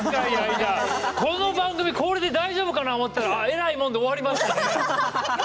この番組これで大丈夫かなと思ったら早いもんで終わりましたね。